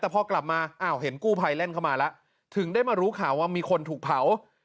แต่พอกลับมาอ้าวเห็นกู้ภัยแล่นเข้ามาแล้วถึงได้มารู้ข่าวว่ามีคนถูกเผา